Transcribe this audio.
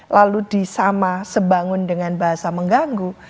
lalu disama sebangun dengan bahasa mengganggu